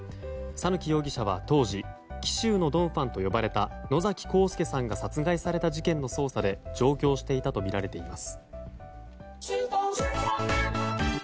讃岐容疑者は当時紀州のドン・ファンと呼ばれた野崎幸助さんが殺害された事件の捜査で上京していたとみられています。